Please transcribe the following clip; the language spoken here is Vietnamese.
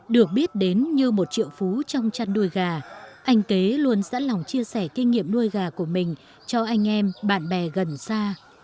được biết đến như một triệu phú trong chăn nuôi gà anh kế luôn sẵn lòng chia sẻ kinh nghiệm nuôi gà của mình cho anh em bạn bè gần xa